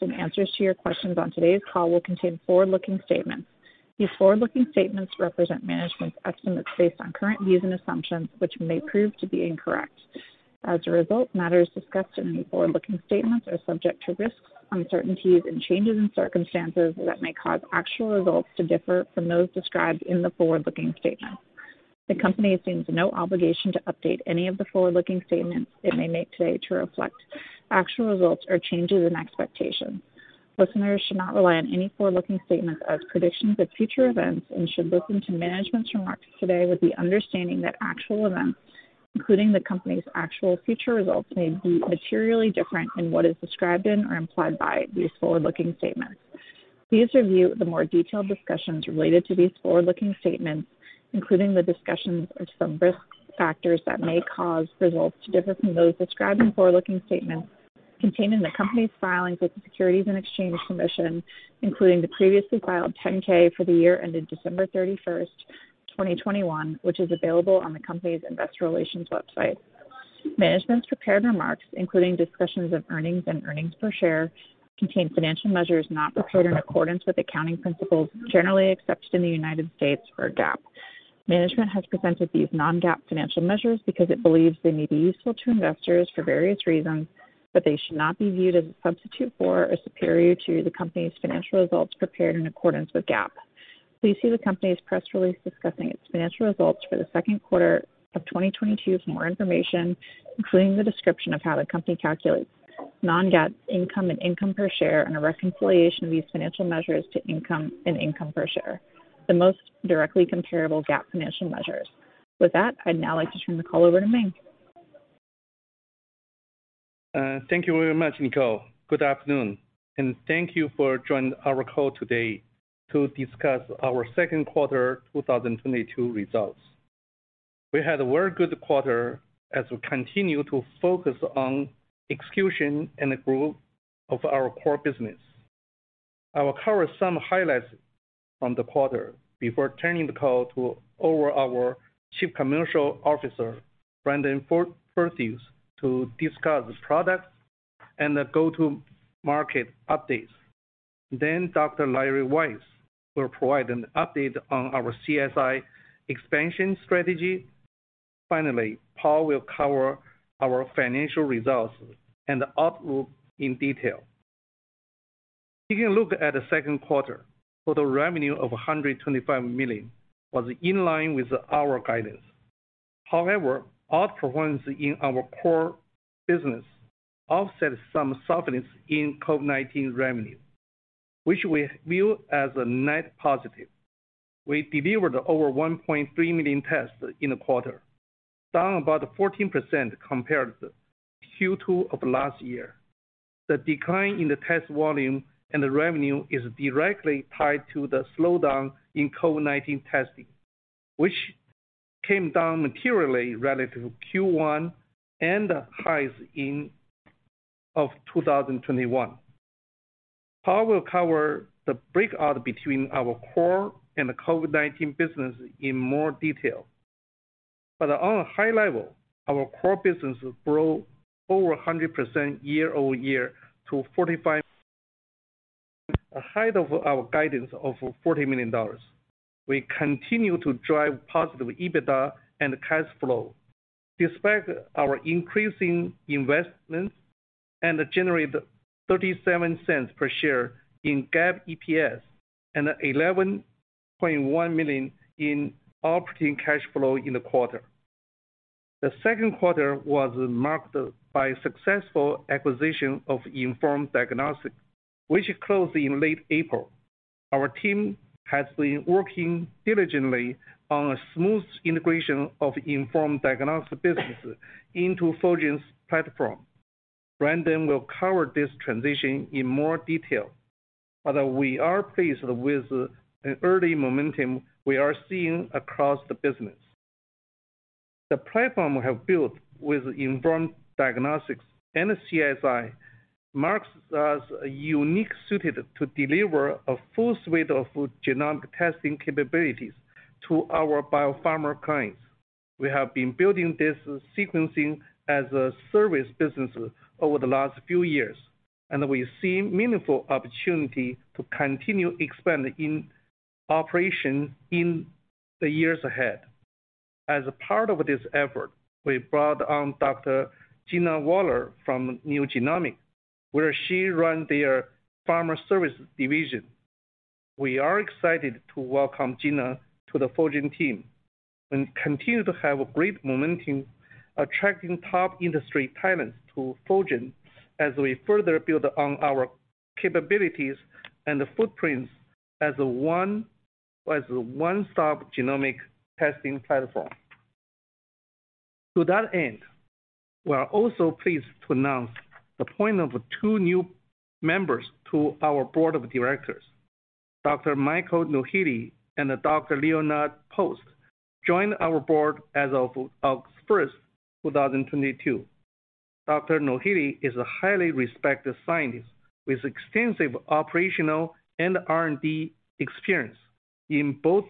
Some answers to your questions on today's call will contain forward-looking statements. These forward-looking statements represent management's estimates based on current views and assumptions, which may prove to be incorrect. As a result, matters discussed in any forward-looking statements are subject to risks, uncertainties, and changes in circumstances that may cause actual results to differ from those described in the forward-looking statements. The company assumes no obligation to update any of the forward-looking statements it may make today to reflect actual results or changes in expectations. Listeners should not rely on any forward-looking statements as predictions of future events and should listen to management's remarks today with the understanding that actual events, including the company's actual future results, may be materially different than what is described in or implied by these forward-looking statements. Please review the more detailed discussions related to these forward-looking statements, including the discussions of some risk factors that may cause results to differ from those described in forward-looking statements contained in the company's filings with the Securities and Exchange Commission, including the previously filed 10-K for the year ended December 31, 2021, which is available on the company's investor relations website. Management's prepared remarks, including discussions of earnings and earnings per share, contain financial measures not prepared in accordance with accounting principles generally accepted in the United States or GAAP. Management has presented these non-GAAP financial measures because it believes they may be useful to investors for various reasons, but they should not be viewed as a substitute for or superior to the company's financial results prepared in accordance with GAAP. Please see the company's press release discussing its financial results for the second quarter of 2022 for more information, including the description of how the company calculates non-GAAP income and income per share, and a reconciliation of these financial measures to income and income per share, the most directly comparable GAAP financial measures. With that, I'd now like to turn the call over to Ming. Thank you very much, Nicole. Good afternoon, and thank you for joining our call today to discuss our second quarter 2022 results. We had a very good quarter as we continue to focus on execution and the growth of our core business. I will cover some highlights from the quarter before turning the call over to our Chief Commercial Officer, Brandon Perthuis, to discuss products and the go-to-market updates. Then Dr. Larry Weiss will provide an update on our CSI expansion strategy. Finally, Paul will cover our financial results and outlook in detail. Taking a look at the second quarter, total revenue of $125 million was in line with our guidance. However, outperformance in our core business offset some softness in COVID-19 revenue, which we view as a net positive. We delivered over 1.3 million tests in the quarter, down about 14% compared to Q2 of last year. The decline in the test volume and the revenue is directly tied to the slowdown in COVID-19 testing, which came down materially relative to Q1 and highs of 2021. Paul will cover the breakout between our core and the COVID-19 business in more detail. On a high level, our core business grew over 100% year-over-year to $45 million ahead of our guidance of $40 million. We continue to drive positive EBITDA and cash flow despite our increasing investments, and generate $0.37 per share in GAAP EPS and $11.1 million in operating cash flow in the quarter. The second quarter was marked by successful acquisition of Inform Diagnostics, which closed in late April. Our team has been working diligently on a smooth integration of Inform Diagnostics business into Fulgent's platform. Brandon will cover this transition in more detail. We are pleased with the early momentum we are seeing across the business. The platform we have built with Inform Diagnostics and CSI marks us unique suited to deliver a full suite of genomic testing capabilities to our biopharma clients. We have been building this sequencing-as-a-service business over the last few years, and we see meaningful opportunity to continue expanding in operation in the years ahead. As a part of this effort, we brought on Dr. Gina Wallar from NeoGenomics, where she ran their pharma service division. We are excited to welcome Gina to the Fulgent team and continue to have great momentum attracting top industry talents to Fulgent as we further build on our capabilities and footprints as a one-stop genomic testing platform. To that end, we are also pleased to announce the appointment of two new members to our board of directors, Dr. Michael Nohaile and Dr. Leonard Post joined our board as of August first, 2022. Dr. Nohaile is a highly respected scientist with extensive operational and R&D experience in both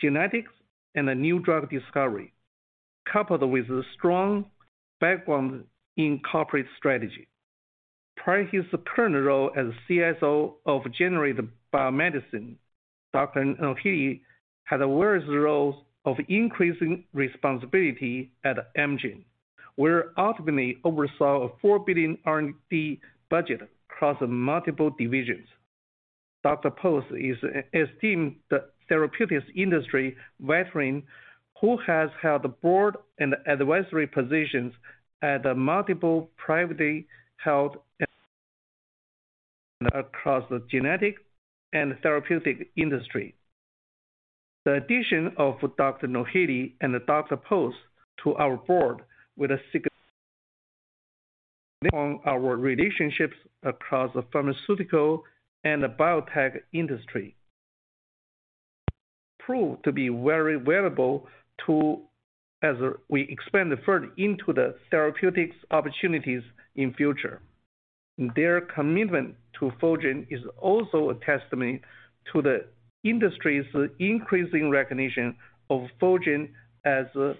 genetics and new drug discovery. Coupled with a strong background in corporate strategy. Prior to his current role as CSO of Generate Biomedicines, Dr. Nohaile had various roles of increasing responsibility at Amgen, where ultimately oversaw a $4 billion R&D budget across multiple divisions. Dr. Post is an esteemed therapeutics industry veteran who has held board and advisory positions at multiple privately held companies across the genetic and therapeutic industry. The addition of Dr. Nohaile and Dr. Post to our board will signify our relationships across the pharmaceutical and the biotech industry. Proved to be very valuable to us as we expand further into the therapeutics opportunities in future. Their commitment to Fulgent is also a testament to the industry's increasing recognition of Fulgent as a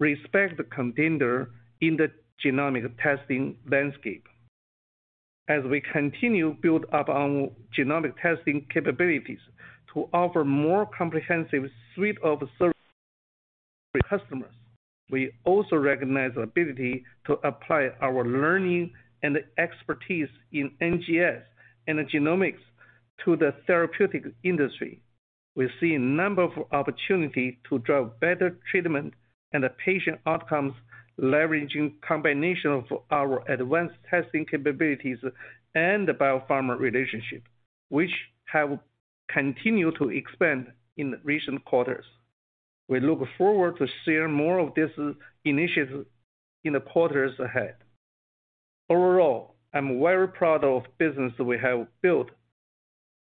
respected contender in the genomic testing landscape. As we continue build upon genomic testing capabilities to offer more comprehensive suite of services for customers, we also recognize the ability to apply our learning and expertise in NGS and genomics to the therapeutic industry. We see a number of opportunities to drive better treatment and patient outcomes, leveraging combination of our advanced testing capabilities and the biopharma relationship, which have continued to expand in recent quarters. We look forward to share more of this initiative in the quarters ahead. Overall, I'm very proud of business we have built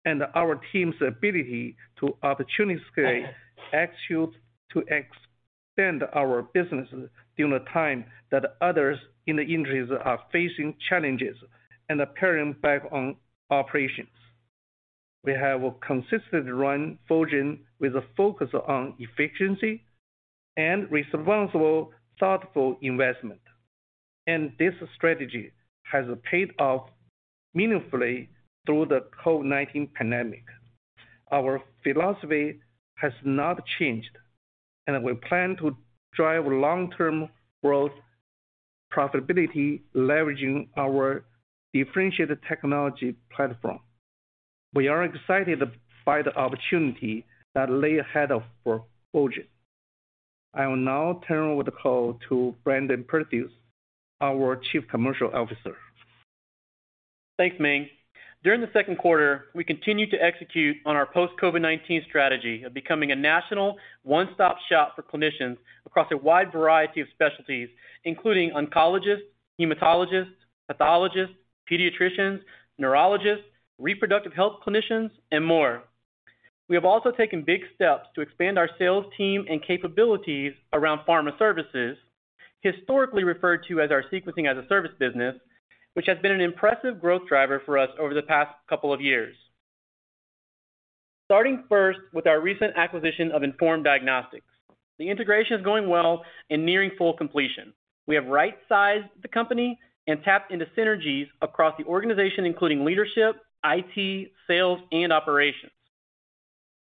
and our team's ability to opportunistically execute to extend our business during a time that others in the industry are facing challenges and paring back on operations. We have consistently run Fulgent with a focus on efficiency and responsible, thoughtful investment. This strategy has paid off meaningfully through the COVID-19 pandemic. Our philosophy has not changed, and we plan to drive long-term growth, profitability, leveraging our differentiated technology platform. We are excited by the opportunity that lies ahead for Fulgent. I will now turn over the call to Brandon Perthuis, our Chief Commercial Officer. Thanks, Ming. During the second quarter, we continued to execute on our post-COVID-19 strategy of becoming a national one-stop shop for clinicians across a wide variety of specialties, including oncologists, hematologists, pathologists, pediatricians, neurologists, reproductive health clinicians, and more. We have also taken big steps to expand our sales team and capabilities around pharma services, historically referred to as our sequencing-as-a-service business, which has been an impressive growth driver for us over the past couple of years. Starting first with our recent acquisition of Inform Diagnostics. The integration is going well and nearing full completion. We have right-sized the company and tapped into synergies across the organization, including leadership, IT, sales, and operations.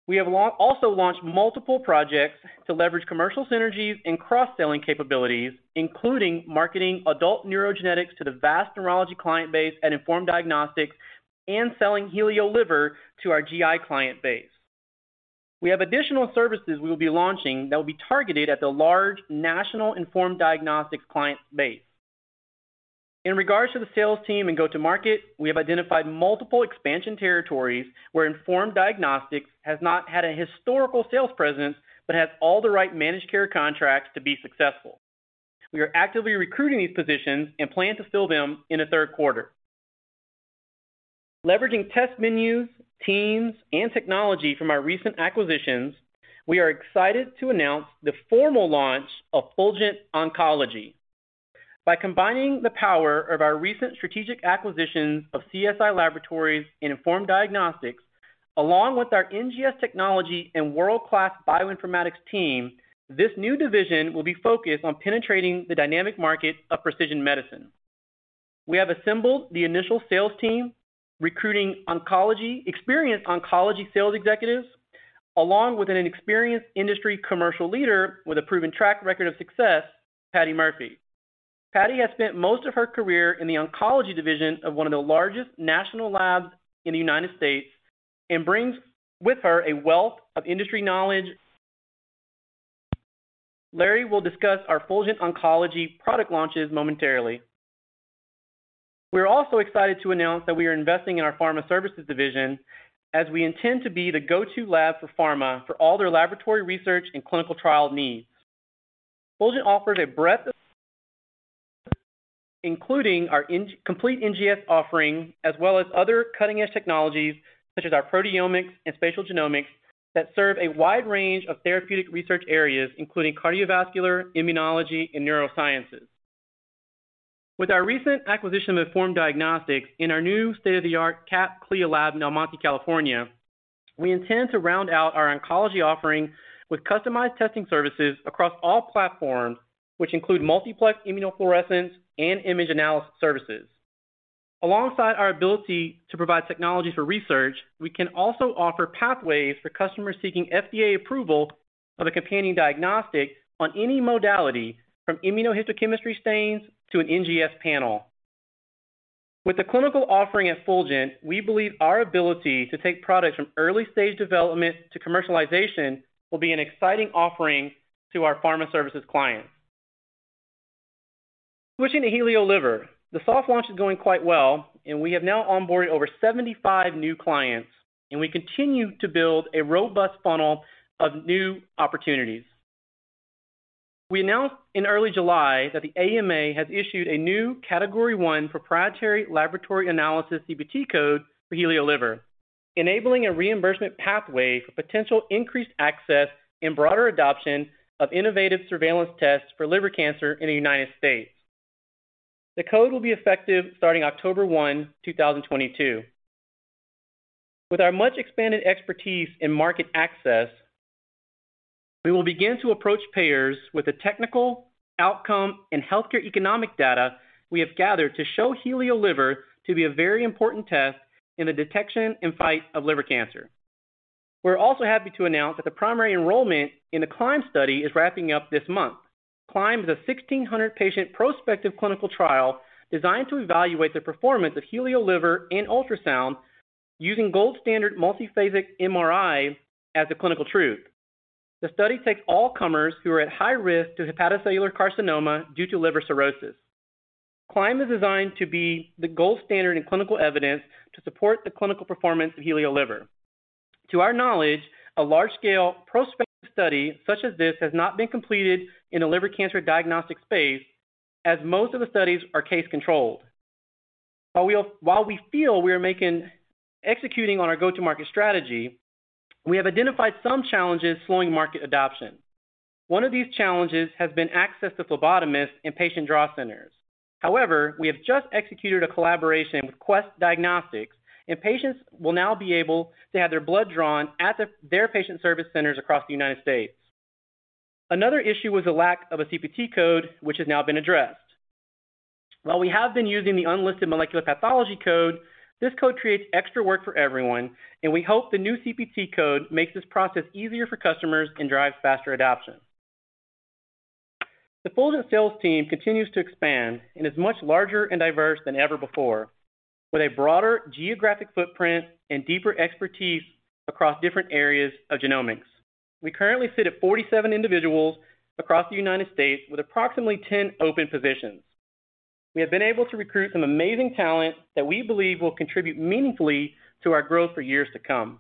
We have also launched multiple projects to leverage commercial synergies and cross-selling capabilities, including marketing adult neurogenetics to the vast neurology client base at Inform Diagnostics and selling HelioLiver to our GI client base. We have additional services we will be launching that will be targeted at the large national Inform Diagnostics client base. In regards to the sales team and go-to-market, we have identified multiple expansion territories where Inform Diagnostics has not had a historical sales presence, but has all the right managed care contracts to be successful. We are actively recruiting these positions and plan to fill them in the third quarter. Leveraging test menus, teams, and technology from our recent acquisitions, we are excited to announce the formal launch of Fulgent Oncology. By combining the power of our recent strategic acquisitions of CSI Laboratories and Inform Diagnostics, along with our NGS technology and world-class bioinformatics team, this new division will be focused on penetrating the dynamic market of precision medicine. We have assembled the initial sales team, recruiting oncology, experienced oncology sales executives, along with an experienced industry commercial leader with a proven track record of success, Patty Murphy. Patty has spent most of her career in the oncology division of one of the largest national labs in the United States and brings with her a wealth of industry knowledge. Larry Weiss will discuss our Fulgent Oncology product launches momentarily. We're also excited to announce that we are investing in our pharma services division as we intend to be the go-to lab for pharma for all their laboratory research and clinical trial needs. Fulgent offers a breadth of including our complete NGS offering, as well as other cutting-edge technologies such as our proteomics and spatial genomics that serve a wide range of therapeutic research areas, including cardiovascular, immunology, and neurosciences. With our recent acquisition of Inform Diagnostics in our new state-of-the-art CAP/CLIA lab in El Monte, California, we intend to round out our oncology offering with customized testing services across all platforms, which include multiplex immunofluorescence and image analysis services. Alongside our ability to provide technology for research, we can also offer pathways for customers seeking FDA approval of a companion diagnostic on any modality, from immunohistochemistry stains to an NGS panel. With the clinical offering at Fulgent, we believe our ability to take products from early-stage development to commercialization will be an exciting offering to our pharma services clients. Switching to HelioLiver, the soft launch is going quite well, and we have now onboarded over 75 new clients, and we continue to build a robust funnel of new opportunities. We announced in early July that the AMA has issued a new Category 1 proprietary laboratory analysis CPT code for HelioLiver, enabling a reimbursement pathway for potential increased access and broader adoption of innovative surveillance tests for liver cancer in the United States. The code will be effective starting October 1, 2022. With our much-expanded expertise in market access, we will begin to approach payers with the technical, outcome, and healthcare economic data we have gathered to show HelioLiver to be a very important test in the detection and fight of liver cancer. We're also happy to announce that the primary enrollment in the CLIMB study is wrapping up this month. CLIMB is a 1,600-patient prospective clinical trial designed to evaluate the performance of HelioLiver and ultrasound using gold standard multiphasic MRI as the clinical truth. The study takes all comers who are at high risk to hepatocellular carcinoma due to liver cirrhosis. CLIMB is designed to be the gold standard in clinical evidence to support the clinical performance of HelioLiver. To our knowledge, a large-scale prospective study such as this has not been completed in a liver cancer diagnostic space, as most of the studies are case-controlled. While we feel we are executing on our go-to-market strategy, we have identified some challenges slowing market adoption. One of these challenges has been access to phlebotomists in patient draw centers. However, we have just executed a collaboration with Quest Diagnostics, and patients will now be able to have their blood drawn at their patient service centers across the United States. Another issue was the lack of a CPT code, which has now been addressed. While we have been using the unlisted molecular pathology code, this code creates extra work for everyone, and we hope the new CPT code makes this process easier for customers and drives faster adoption. The Fulgent sales team continues to expand and is much larger and diverse than ever before, with a broader geographic footprint and deeper expertise across different areas of genomics. We currently sit at 47 individuals across the United States with approximately 10 open positions. We have been able to recruit some amazing talent that we believe will contribute meaningfully to our growth for years to come.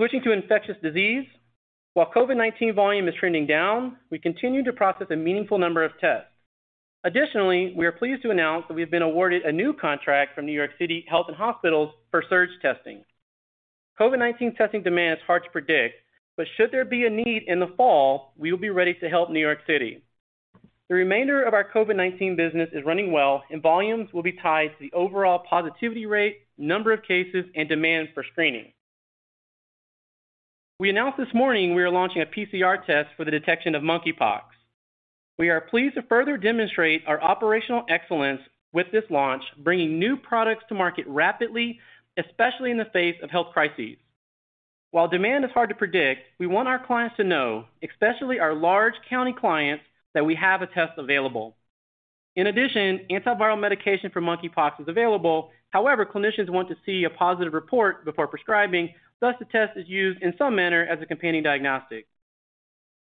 Switching to infectious disease, while COVID-19 volume is trending down, we continue to process a meaningful number of tests. Additionally, we are pleased to announce that we've been awarded a new contract from NYC Health + Hospitals for surge testing. COVID-19 testing demand is hard to predict, but should there be a need in the fall, we will be ready to help New York City. The remainder of our COVID-19 business is running well, and volumes will be tied to the overall positivity rate, number of cases, and demand for screening. We announced this morning we are launching a PCR test for the detection of monkeypox. We are pleased to further demonstrate our operational excellence with this launch, bringing new products to market rapidly, especially in the face of health crises. While demand is hard to predict, we want our clients to know, especially our large county clients, that we have a test available. In addition, antiviral medication for monkeypox is available. However, clinicians want to see a positive report before prescribing. Thus, the test is used in some manner as a companion diagnostic.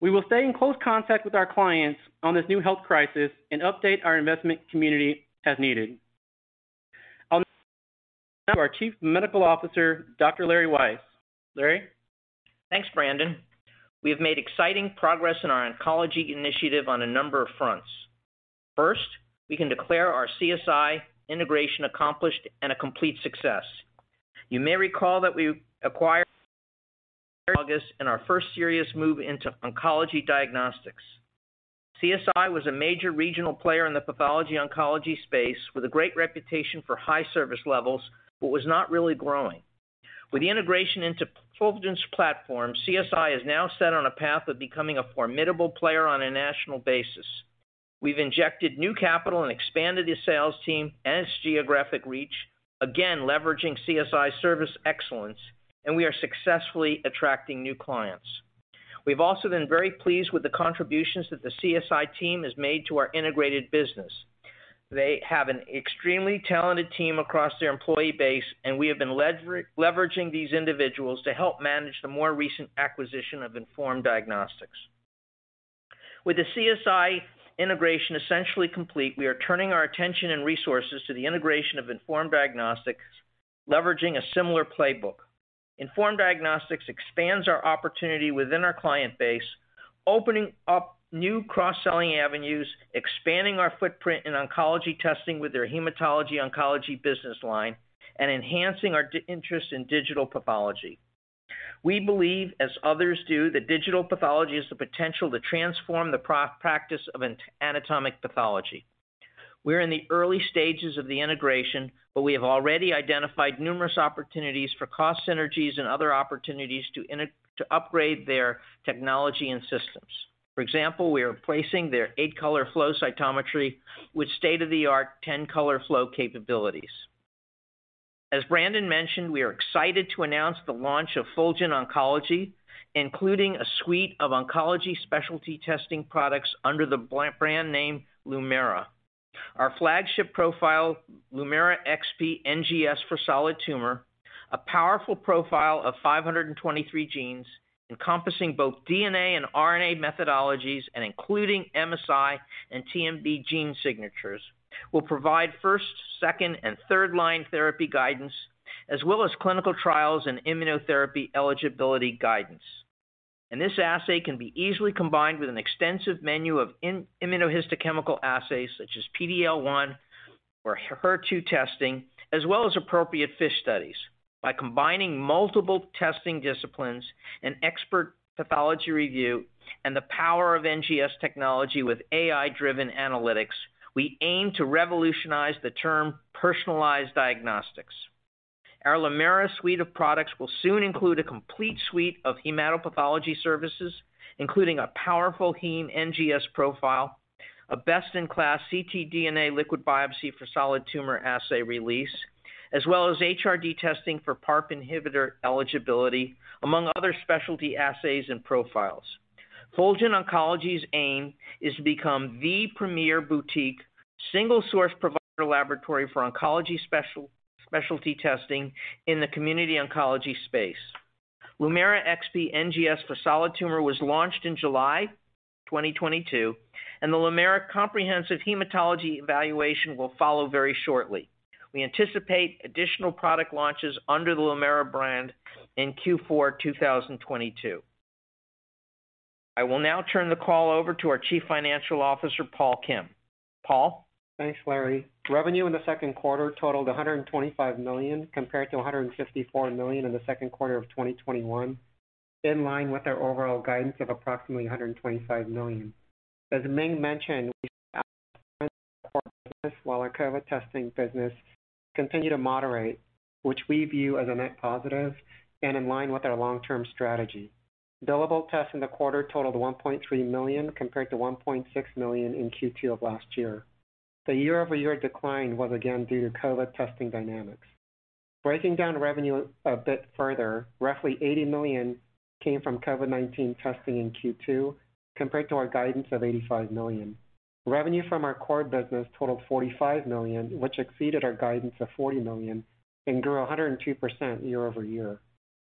We will stay in close contact with our clients on this new health crisis and update our investment community as needed. I'll now turn it over to our Chief Medical Officer, Dr. Larry Weiss. Larry? Thanks, Brandon. We have made exciting progress in our oncology initiative on a number of fronts. First, we can declare our CSI integration accomplished and a complete success. You may recall that we acquired CSI in our first serious move into oncology diagnostics. CSI was a major regional player in the pathology oncology space with a great reputation for high service levels, but was not really growing. With the integration into Fulgent's platform, CSI is now set on a path of becoming a formidable player on a national basis. We've injected new capital and expanded its sales team and its geographic reach, again, leveraging CSI's service excellence, and we are successfully attracting new clients. We've also been very pleased with the contributions that the CSI team has made to our integrated business. They have an extremely talented team across their employee base, and we have been leveraging these individuals to help manage the more recent acquisition of Inform Diagnostics. With the CSI integration essentially complete, we are turning our attention and resources to the integration of Inform Diagnostics, leveraging a similar playbook. Inform Diagnostics expands our opportunity within our client base, opening up new cross-selling avenues, expanding our footprint in oncology testing with their hematology oncology business line, and enhancing our interest in digital pathology. We believe, as others do, that digital pathology has the potential to transform the practice of anatomic pathology. We're in the early stages of the integration, but we have already identified numerous opportunities for cost synergies and other opportunities to upgrade their technology and systems. For example, we are replacing their 8-color flow cytometry with state-of-the-art 10-color flow capabilities. As Brandon mentioned, we are excited to announce the launch of Fulgent Oncology, including a suite of oncology specialty testing products under the brand name Lumera. Our flagship profile, Lumera XP NGS for solid tumor, a powerful profile of 523 genes encompassing both DNA and RNA methodologies, and including MSI and TMB gene signatures, will provide first, second, and third-line therapy guidance, as well as clinical trials and immunotherapy eligibility guidance. This assay can be easily combined with an extensive menu of immunohistochemical assays such as PDL1 or HER2 testing, as well as appropriate FISH studies. By combining multiple testing disciplines and expert pathology review and the power of NGS technology with AI-driven analytics, we aim to revolutionize the term personalized diagnostics. Our Lumera suite of products will soon include a complete suite of hematopathology services, including a powerful heme NGS profile, a best-in-class ctDNA liquid biopsy for solid tumor assay release, as well as HRD testing for PARP inhibitor eligibility, among other specialty assays and profiles. Fulgent Oncology's aim is to become the premier boutique single source provider laboratory for oncology specialty testing in the community oncology space. Lumera XP NGS for solid tumor was launched in July 2022, and the Lumera comprehensive hematology evaluation will follow very shortly. We anticipate additional product launches under the Lumera brand in Q4 2022. I will now turn the call over to our Chief Financial Officer, Paul Kim. Paul? Thanks, Larry. Revenue in the second quarter totaled $125 million, compared to $154 million in the second quarter of 2021, in line with our overall guidance of approximately $125 million. As Ming mentioned, our core business grew while our COVID testing business continued to moderate, which we view as a net positive and in line with our long-term strategy. Billable tests in the quarter totaled 1.3 million, compared to 1.6 million in Q2 of last year. The year-over-year decline was again due to COVID testing dynamics. Breaking down revenue a bit further, roughly $80 million came from COVID-19 testing in Q2, compared to our guidance of $85 million. Revenue from our core business totaled $45 million, which exceeded our guidance of $40 million and grew 102% year-over-year.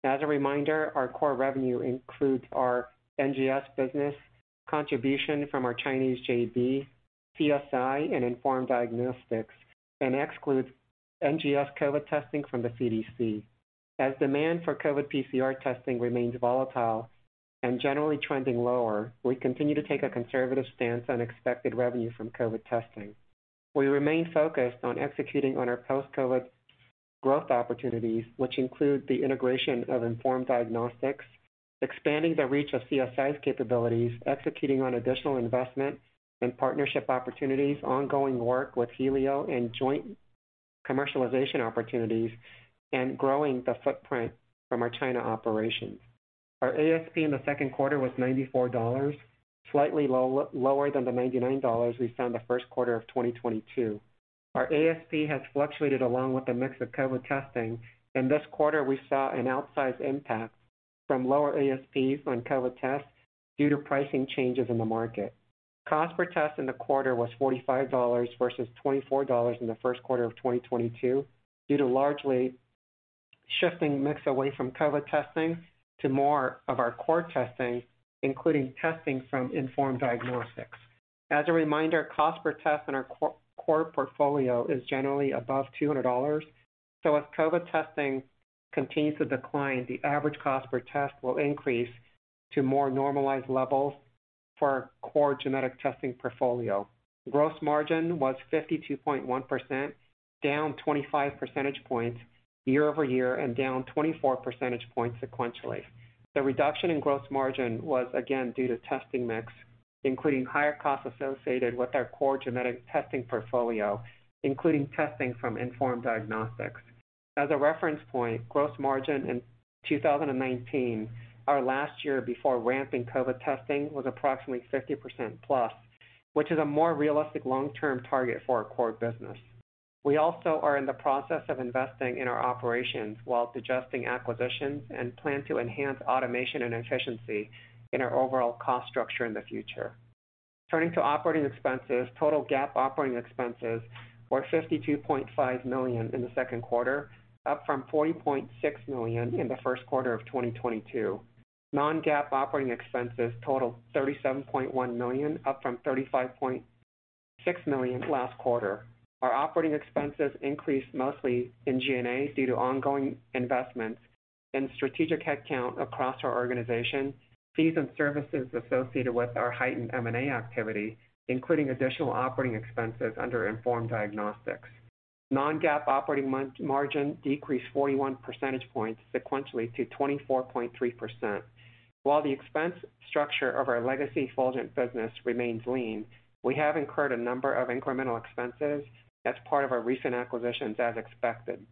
As a reminder, our core revenue includes our NGS business contribution from our China JV, CSI and Inform Diagnostics, and excludes NGS COVID testing from the CDC. As demand for COVID PCR testing remains volatile and generally trending lower, we continue to take a conservative stance on expected revenue from COVID testing. We remain focused on executing on our post-COVID growth opportunities, which include the integration of Inform Diagnostics, expanding the reach of CSI's capabilities, executing on additional investment and partnership opportunities, ongoing work with Helio and joint commercialization opportunities, and growing the footprint from our China operations. Our ASP in the second quarter was $94, slightly lower than the $99 we found in the first quarter of 2022. Our ASP has fluctuated along with the mix of COVID testing. In this quarter, we saw an outsized impact from lower ASPs on COVID tests due to pricing changes in the market. Cost per test in the quarter was $45 versus $24 in the first quarter of 2022 due to largely shifting mix away from COVID testing to more of our core testing, including testing from Inform Diagnostics. As a reminder, cost per test in our core portfolio is generally above $200. As COVID testing continues to decline, the average cost per test will increase to more normalized levels for our core genetic testing portfolio. Gross margin was 52.1%, down 25 percentage points year-over-year and down 24 percentage points sequentially. The reduction in gross margin was again due to testing mix, including higher costs associated with our core genetic testing portfolio, including testing from Inform Diagnostics. As a reference point, gross margin in 2019, our last year before ramping COVID testing, was approximately 50% plus, which is a more realistic long-term target for our core business. We also are in the process of investing in our operations while digesting acquisitions and plan to enhance automation and efficiency in our overall cost structure in the future. Turning to operating expenses, total GAAP operating expenses were $52.5 million in the second quarter, up from $40.6 million in the first quarter of 2022. Non-GAAP operating expenses totaled $37.1 million, up from $35.6 million last quarter. Our operating expenses increased mostly in G&A due to ongoing investments in strategic headcount across our organization, fees and services associated with our heightened M&A activity, including additional operating expenses under Inform Diagnostics. Non-GAAP operating margin decreased 41 percentage points sequentially to 24.3%. While the expense structure of our legacy Fulgent business remains lean, we have incurred a number of incremental expenses as part of our recent acquisitions as expected.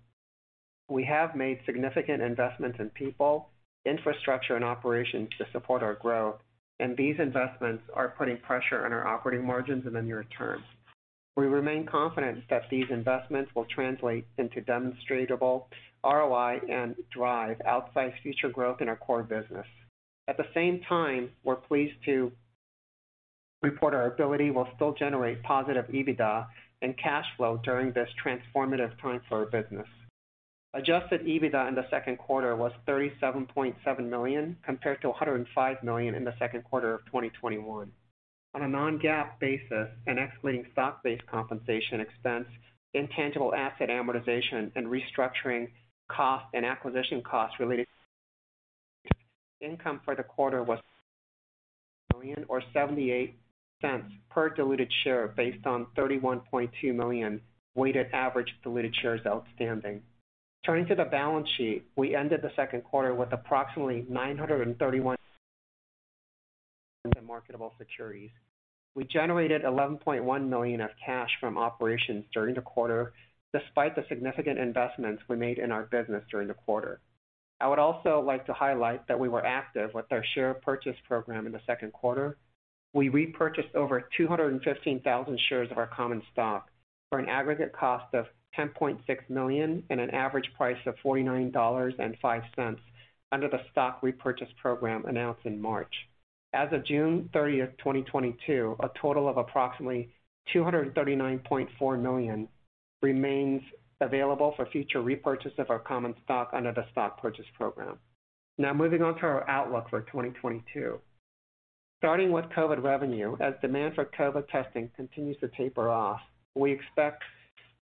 We have made significant investments in people, infrastructure, and operations to support our growth, and these investments are putting pressure on our operating margins in the near term. We remain confident that these investments will translate into demonstrable ROI and drive outsized future growth in our core business. At the same time, we're pleased to report our ability will still generate positive EBITDA and cash flow during this transformative time for our business. Adjusted EBITDA in the second quarter was $37.7 million, compared to $105 million in the second quarter of 2021. On a non-GAAP basis and excluding stock-based compensation expense, intangible asset amortization, and restructuring costs and acquisition-related costs, net income for the quarter was $24.3 million or $0.78 per diluted share based on 31.2 million weighted average diluted shares outstanding. Turning to the balance sheet, we ended the second quarter with approximately $931 million in marketable securities. We generated $11.1 million of cash from operations during the quarter, despite the significant investments we made in our business during the quarter. I would also like to highlight that we were active with our share purchase program in the second quarter. We repurchased over 215,000 shares of our common stock for an aggregate cost of $10.6 million and an average price of $49.05 under the stock repurchase program announced in March. As of June 30, 2022, a total of approximately $239.4 million remains available for future repurchase of our common stock under the stock purchase program. Now moving on to our outlook for 2022. Starting with COVID revenue, as demand for COVID testing continues to taper off, we expect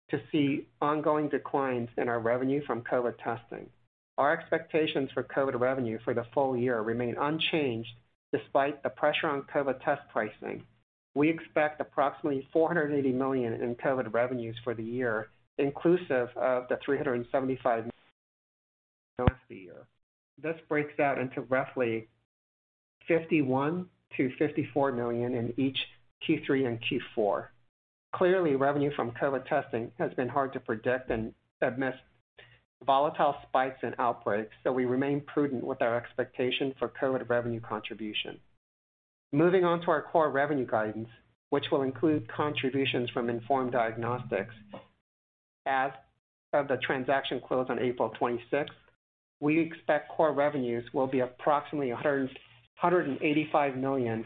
to see ongoing declines in our revenue from COVID testing. Our expectations for COVID revenue for the full year remain unchanged, despite the pressure on COVID test pricing. We expect approximately $480 million in COVID revenues for the year, inclusive of the $375 million the year. This breaks down into roughly $51 million-$54 million in each Q3 and Q4. Clearly, revenue from COVID testing has been hard to predict and amidst volatile spikes and outbreaks, so we remain prudent with our expectation for COVID revenue contribution. Moving on to our core revenue guidance, which will include contributions from Inform Diagnostics. As of the transaction close on April 26th, we expect core revenues will be approximately $185 million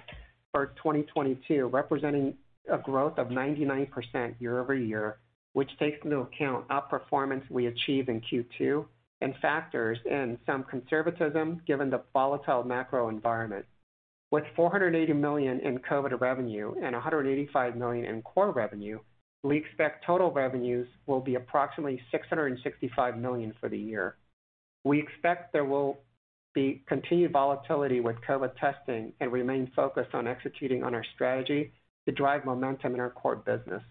for 2022, representing a growth of 99% year-over-year, which takes into account outperformance we achieved in Q2 and factors in some conservatism given the volatile macro environment. With $480 million in COVID revenue and $185 million in core revenue, we expect total revenues will be approximately $665 million for the year. We expect there will be continued volatility with COVID testing and remain focused on executing on our strategy to drive momentum in our core business.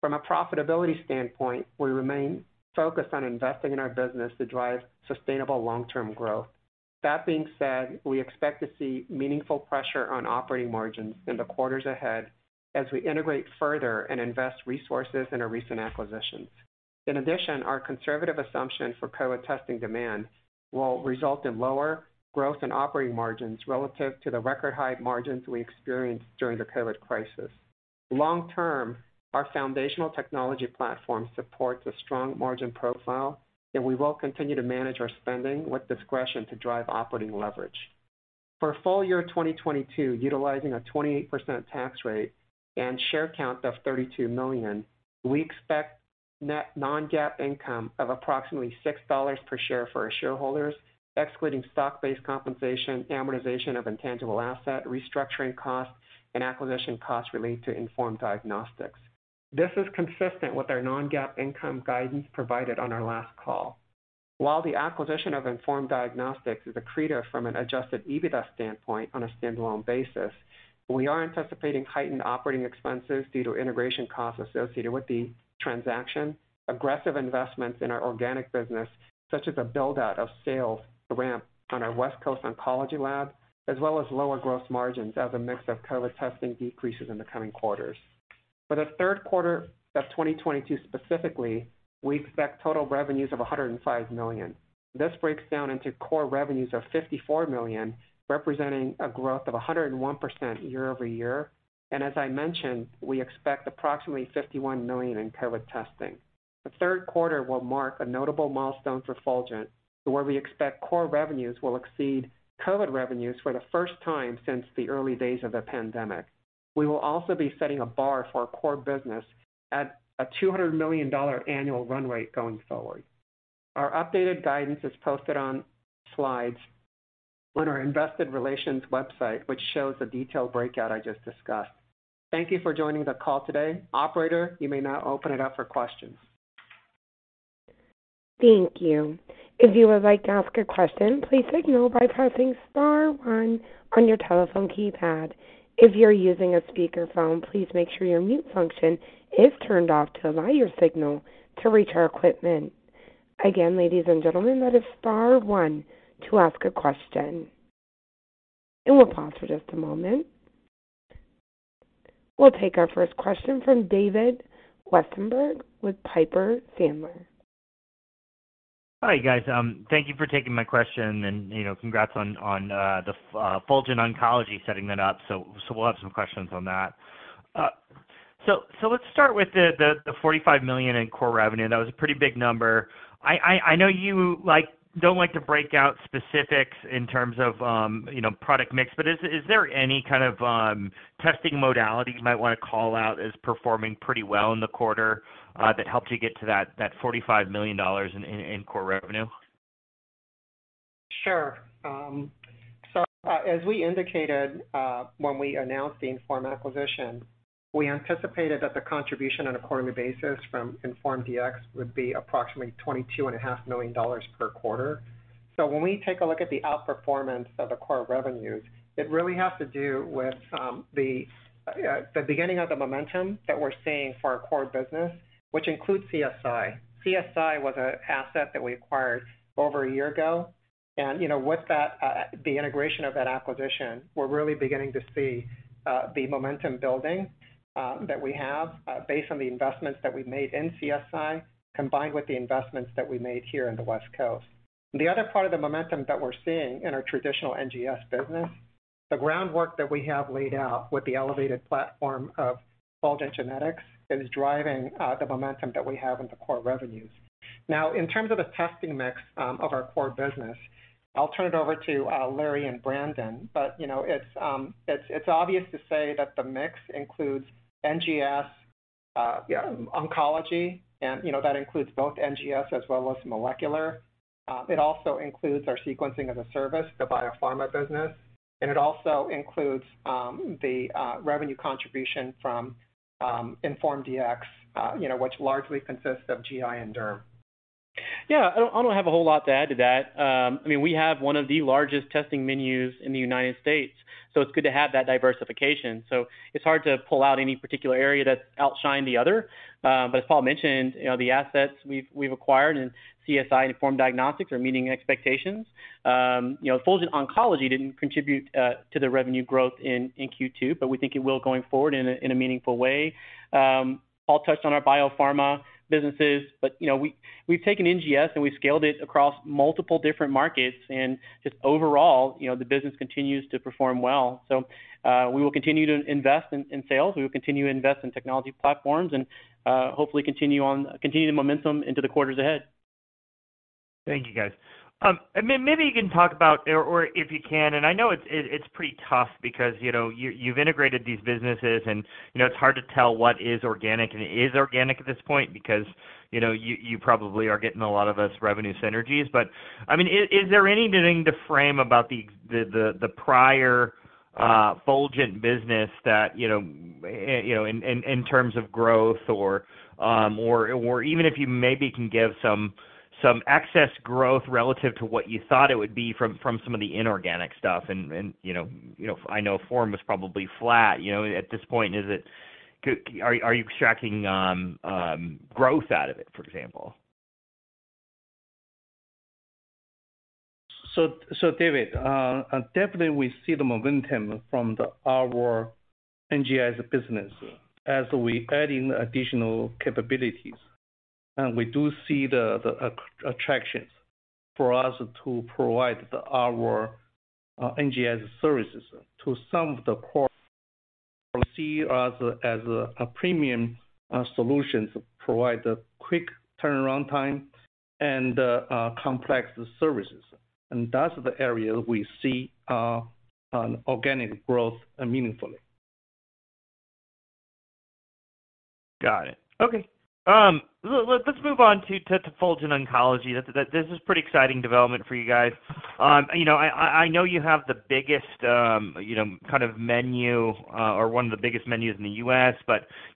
From a profitability standpoint, we remain focused on investing in our business to drive sustainable long-term growth. That being said, we expect to see meaningful pressure on operating margins in the quarters ahead as we integrate further and invest resources in our recent acquisitions. In addition, our conservative assumption for COVID testing demand will result in lower growth and operating margins relative to the record high margins we experienced during the COVID crisis. Long term, our foundational technology platform supports a strong margin profile, and we will continue to manage our spending with discretion to drive operating leverage. For full year 2022, utilizing a 28% tax rate and share count of 32 million, we expect net non-GAAP income of approximately $6 per share for our shareholders, excluding stock-based compensation, amortization of intangible asset, restructuring costs, and acquisition costs related to Inform Diagnostics. This is consistent with our non-GAAP income guidance provided on our last call. While the acquisition of Inform Diagnostics is accretive from an adjusted EBITDA standpoint on a stand-alone basis, we are anticipating heightened operating expenses due to integration costs associated with the transaction, aggressive investments in our organic business, such as a build-out of sales ramp on our West Coast oncology lab, as well as lower gross margins as a mix of COVID testing decreases in the coming quarters. For the third quarter of 2022 specifically, we expect total revenues of $105 million. This breaks down into core revenues of $54 million, representing a growth of 101% year-over-year. As I mentioned, we expect approximately $51 million in COVID testing. The third quarter will mark a notable milestone for Fulgent, to where we expect core revenues will exceed COVID revenues for the first time since the early days of the pandemic. We will also be setting a bar for our core business at a $200 million annual run rate going forward. Our updated guidance is posted on slides on our investor relations website, which shows the detailed breakout I just discussed. Thank you for joining the call today. Operator, you may now open it up for questions. Thank you. If you would like to ask a question, please signal by pressing star one on your telephone keypad. If you're using a speakerphone, please make sure your mute function is turned off to allow your signal to reach our equipment. Again, ladies and gentlemen, that is star one to ask a question. We'll pause for just a moment. We'll take our first question from David Westenberg with Piper Sandler. Hi, guys. Thank you for taking my question and, you know, congrats on the Fulgent Oncology setting that up. We'll have some questions on that. Let's start with the $45 million in core revenue. That was a pretty big number. I know you don't like to break out specifics in terms of, you know, product mix, but is there any kind of testing modality you might wanna call out as performing pretty well in the quarter that helped you get to that $45 million in core revenue? Sure. As we indicated when we announced Inform Diagnostics acquisition, we anticipated that the contribution on a quarterly basis Inform Diagnostics would be approximately $22.5 million per quarter. When we take a look at the outperformance of the core revenues, it really has to do with the beginning of the momentum that we're seeing for our core business, which includes CSI. CSI was an asset that we acquired over a year ago and, you know, with that, the integration of that acquisition, we're really beginning to see the momentum building that we have based on the investments that we've made in CSI, combined with the investments that we made here in the West Coast. The other part of the momentum that we're seeing in our traditional NGS business, the groundwork that we have laid out with the elevated platform of Fulgent Genetics is driving the momentum that we have in the core revenues. Now, in terms of the testing mix of our core business, I'll turn it over to Larry and Brandon. You know, it's obvious to say that the mix includes NGS oncology, and you know, that includes both NGS as well as molecular. It also includes our sequencing as a service, the biopharma business, and it also includes the revenue contribution from Inform Diagnostics, you know, which largely consists of GI and derm. Yeah. I don't have a whole lot to add to that. I mean, we have one of the largest testing menus in the United States, so it's good to have that diversification. It's hard to pull out any particular area that outshine the other. As Paul mentioned, you know, the assets we've acquired in CSI and Inform Diagnostics are meeting expectations. You know, Fulgent Oncology didn't contribute to the revenue growth in Q2, but we think it will going forward in a meaningful way. Paul touched on our biopharma businesses. You know, we've taken NGS and we've scaled it across multiple different markets and just overall, you know, the business continues to perform well. We will continue to invest in sales, we will continue to invest in technology platforms, and hopefully continue the momentum into the quarters ahead. Thank you, guys. Maybe you can talk about it, or if you can, and I know it's pretty tough because you know, you've integrated these businesses and you know, it's hard to tell what is organic at this point because you know, you probably are getting a lot of those revenue synergies. But I mean, is there anything to frame about the prior Fulgent business that you know, in terms of growth or even if you maybe can give some excess growth relative to what you thought it would be from some of the inorganic stuff. I know the firm was probably flat at this point. Are you tracking growth out of it, for example? David, definitely we see the momentum from our NGS business as we add in additional capabilities. We do see the attractions for us to provide our NGS services to some of the core who see us as a premium solutions provider with a quick turnaround time and complex services. That's the area we see organic growth meaningfully. Got it. Okay. Let's move on to Fulgent Oncology. This is pretty exciting development for you guys. You know, I know you have the biggest, you know, kind of menu, or one of the biggest menus in the U.S.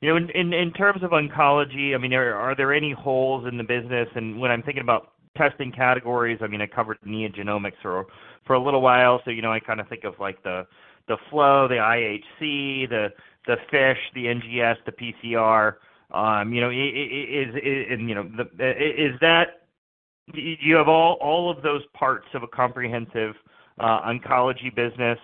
You know, in terms of oncology, I mean, are there any holes in the business? When I'm thinking about testing categories, I mean, I covered NeoGenomics for a little while. You know, I kinda think of like the flow, the IHC, the FISH, the NGS, the PCR. You know, is that? Do you have all of those parts of a comprehensive oncology business?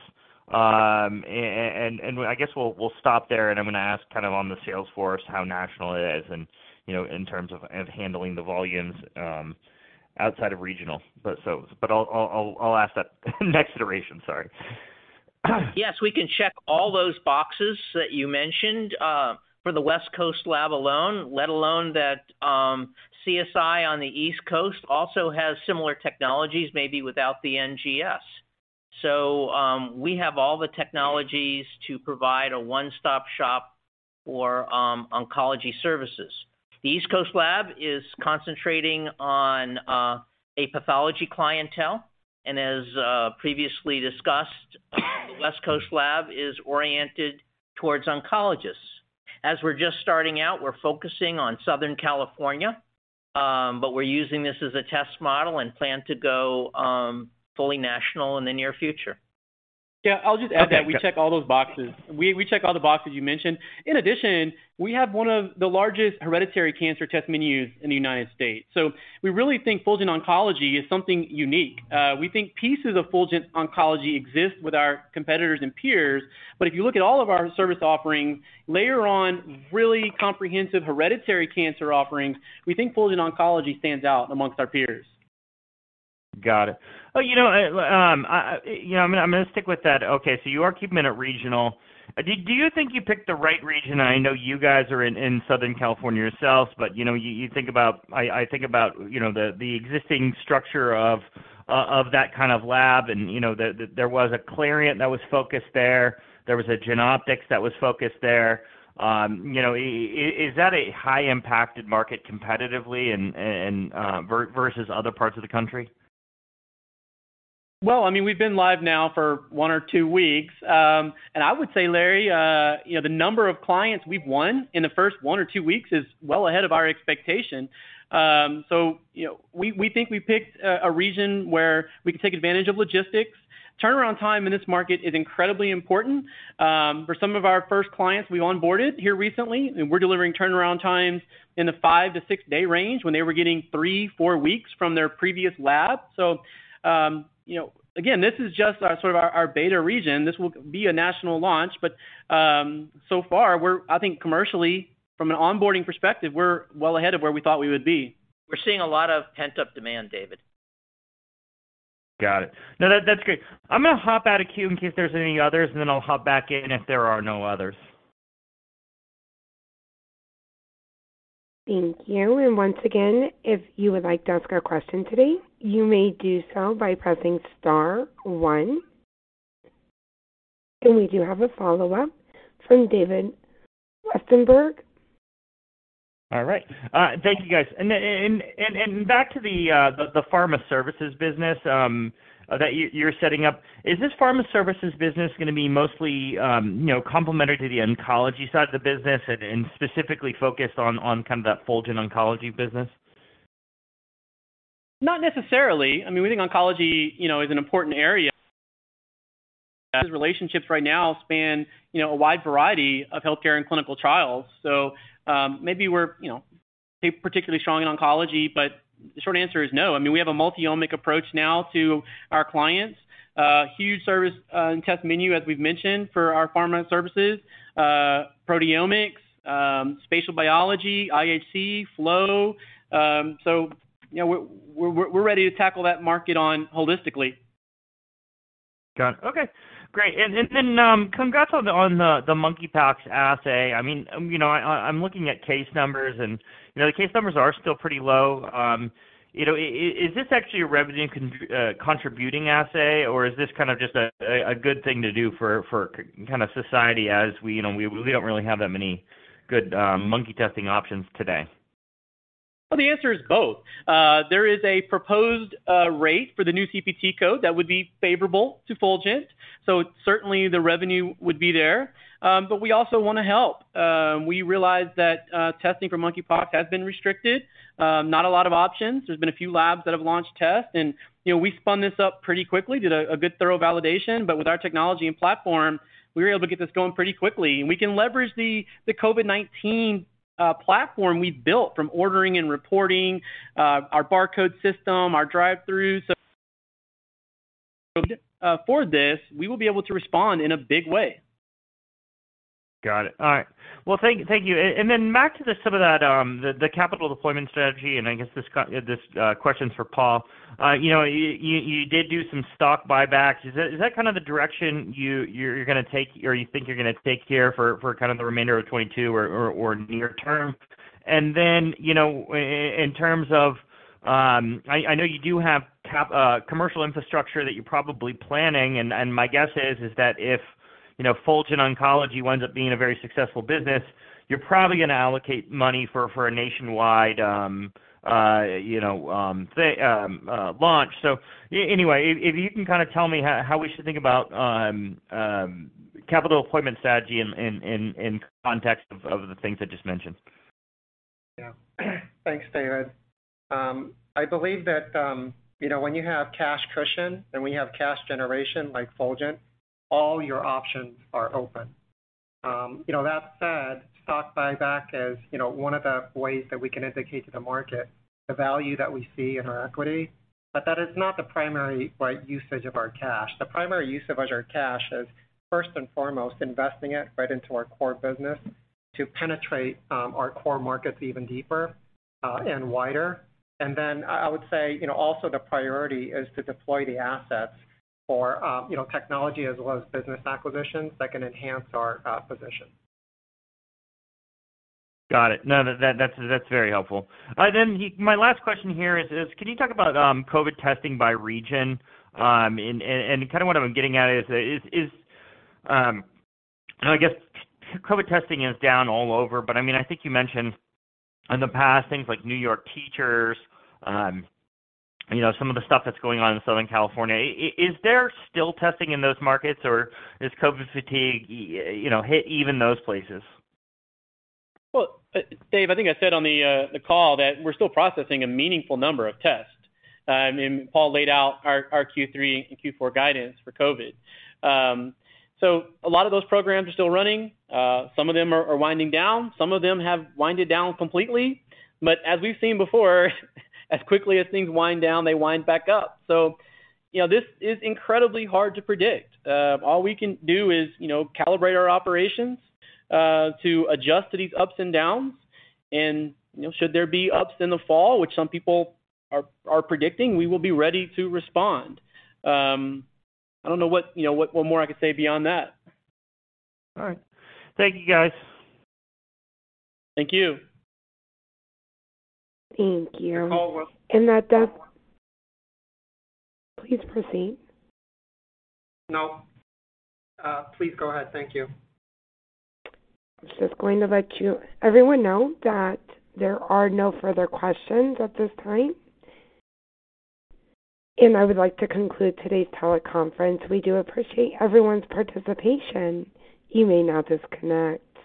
I guess we'll stop there, and I'm gonna ask kind of on the sales force how national it is and, you know, in terms of handling the volumes outside of regional. I'll ask that next iteration. Sorry. Yes, we can check all those boxes that you mentioned for the West Coast lab alone, let alone that CSI on the East Coast also has similar technologies, maybe without the NGS. We have all the technologies to provide a one-stop shop for oncology services. The East Coast lab is concentrating on a pathology clientele. As previously discussed, the West Coast lab is oriented towards oncologists. As we're just starting out, we're focusing on Southern California, but we're using this as a test model and plan to go fully national in the near future. Yeah. I'll just add that we check all those boxes. We check all the boxes you mentioned. In addition, we have one of the largest hereditary cancer test menus in the United States, so we really think Fulgent Oncology is something unique. We think pieces of Fulgent Oncology exist with our competitors and peers, but if you look at all of our service offerings, layer on really comprehensive hereditary cancer offerings, we think Fulgent Oncology stands out amongst our peers. Got it. Oh, you know, you know, I'm gonna stick with that. Okay. You are keeping it regional. Do you think you picked the right region? I know you guys are in Southern California yourselves, but you know, you think about. I think about, you know, the existing structure of that kind of lab and, you know, there was a Clarient that was focused there. There was a Genoptix that was focused there. You know, is that a high impacted market competitively and versus other parts of the country? Well, I mean, we've been live now for one or two weeks. I would say, Larry, you know, the number of clients we've won in the first one or two weeks is well ahead of our expectation. You know, we think we picked a region where we can take advantage of logistics. Turnaround time in this market is incredibly important. For some of our first clients we onboarded here recently, and we're delivering turnaround times in the five- to six-day range when they were getting three, four weeks from their previous lab. You know, again, this is just our sort of beta region. This will be a national launch. So far, we're. I think commercially from an onboarding perspective, we're well ahead of where we thought we would be. We're seeing a lot of pent-up demand, David. Got it. No, that's great. I'm gonna hop out of queue in case there's any others, and then I'll hop back in if there are no others. Thank you. Once again, if you would like to ask a question today, you may do so by pressing star one. We do have a follow-up from David Westenberg. All right. Thank you, guys. Back to the pharma services business that you're setting up, is this pharma services business gonna be mostly, you know, complementary to the oncology side of the business and specifically focused on kind of that Fulgent Oncology business? Not necessarily. I mean, we think oncology, you know, is an important area. These relationships right now span, you know, a wide variety of healthcare and clinical trials. Maybe we're, you know, particularly strong in oncology, but the short answer is no. I mean, we have a multiomic approach now to our clients. A huge service and test menu, as we've mentioned, for our pharma services, proteomics, spatial biology, IHC, flow. You know, we're ready to tackle that market holistically. Got it. Okay, great. Then congrats on the monkeypox assay. I mean, you know, I'm looking at case numbers and, you know, the case numbers are still pretty low. You know, is this actually a revenue contributing assay, or is this kind of just a good thing to do for kind of society as we, you know, we don't really have that many good monkeypox testing options today? Well, the answer is both. There is a proposed rate for the new CPT code that would be favorable to Fulgent, so certainly the revenue would be there. We also wanna help. We realize that testing for monkeypox has been restricted, not a lot of options. There's been a few labs that have launched tests and, you know, we spun this up pretty quickly, did a good thorough validation. With our technology and platform, we were able to get this going pretty quickly. We can leverage the COVID-19 platform we've built from ordering and reporting, our barcode system, our drive-through. For this, we will be able to respond in a big way. Got it. All right. Well, thank you. Then back to some of that, the capital deployment strategy, and I guess this question's for Paul. You know, you did do some stock buybacks. Is that kind of the direction you're gonna take or you think you're gonna take here for kind of the remainder of 2022 or near term? Then, you know, in terms of, I know you do have commercial infrastructure that you're probably planning, and my guess is that if you know, Fulgent Oncology winds up being a very successful business, you're probably gonna allocate money for a nationwide, you know, launch. Anyway, if you can kinda tell me how we should think about capital deployment strategy in context of the things I just mentioned. Yeah. Thanks, David. I believe that, you know, when you have cash cushion and when you have cash generation like Fulgent, all your options are open. You know, that said, stock buyback is, you know, one of the ways that we can indicate to the market the value that we see in our equity, but that is not the primary, right, usage of our cash. The primary use of our cash is, first and foremost, investing it right into our core business to penetrate our core markets even deeper and wider. Then I would say, you know, also the priority is to deploy the assets for, you know, technology as well as business acquisitions that can enhance our position. Got it. No, that's very helpful. My last question here is, can you talk about COVID testing by region? Kind of what I'm getting at is, I guess COVID testing is down all over, but I mean, I think you mentioned in the past things like New York teachers, you know, some of the stuff that's going on in Southern California, is there still testing in those markets, or has COVID fatigue, you know, hit even those places? Well, Dave, I think I said on the call that we're still processing a meaningful number of tests. I mean, Paul laid out our Q3 and Q4 guidance for COVID. A lot of those programs are still running. Some of them are winding down. Some of them have winded down completely. As we've seen before, as quickly as things wind down, they wind back up. You know, this is incredibly hard to predict. All we can do is you know, calibrate our operations to adjust to these ups and downs and, you know, should there be ups in the fall, which some people are predicting, we will be ready to respond. I don't know what, you know, what more I could say beyond that. All right. Thank you, guys. Thank you. Thank you. You're welcome. Please proceed. No. Please go ahead. Thank you. Just going to let everyone know that there are no further questions at this time. I would like to conclude today's teleconference. We do appreciate everyone's participation. You may now disconnect.